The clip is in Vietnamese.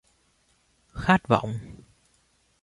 khát vọng